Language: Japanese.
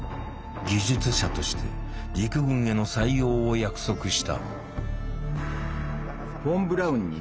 技術者として陸軍への採用を約束した。